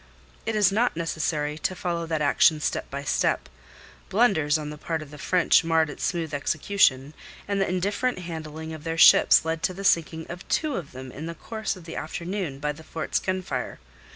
It is not necessary to follow that action step by step. Blunders on the part of the French marred its smooth execution, and the indifferent handling of their ships led to the sinking of two of them in the course of the afternoon by the fort's gunfire.